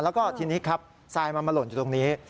แล้วก็ทีนี้ครับทรายมันมาหล่นอยู่ตรงนี้